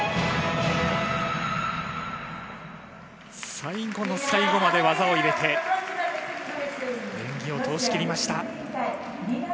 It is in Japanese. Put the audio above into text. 最後の最後まで技を入れて、演技を通しきりました。